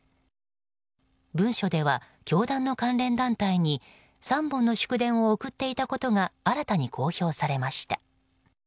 文書では教団の関連団体に３本の祝電を送っていたことが新たに公表されました。